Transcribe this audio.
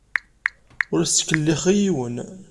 Ur as-ttkellixeɣ i yiwen.